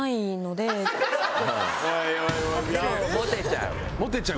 でもモテちゃう？